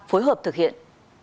phối hợp thực hiện